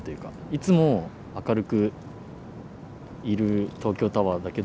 いつも明るくいる東京タワーだけど。